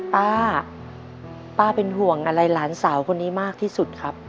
ป้าป้าเป็นห่วงอะไรหลานสาวคนนี้มากที่สุดครับ